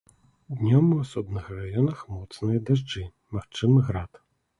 Днём у асобных раёнах моцныя дажджы, магчымы град.